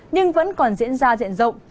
nhưng vẫn còn diễn ra diện rộng